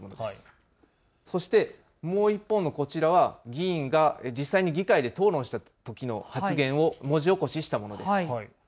そしてもう一方のこちらは議員が実際に議会で討論したときの発言を文字起こししたものです。